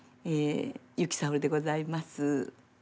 由紀さおりでございます。